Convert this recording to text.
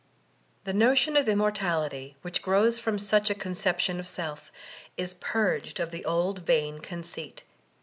The notion of immortality which grows from such a conception of self is purged of the old vain conceit.